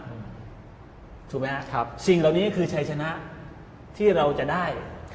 ถูกไหมครับสิ่งเหล่านี้คือชัยชนะที่เราจะได้